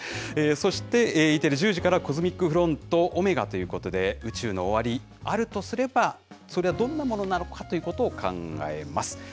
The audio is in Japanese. そして、Ｅテレ１０時から、コズミックフロントΩということで、宇宙の終わり、あるとすれば、それはどんなものなのかということを考えます。